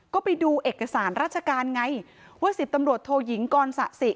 ก็ไปดูเอกสารราชการไงว่า๑๐ตำรวจโทยิงกรสะสิ